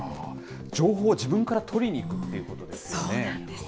情報を自分から取りに行くっていうことですよね。